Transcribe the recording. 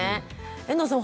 遠藤さん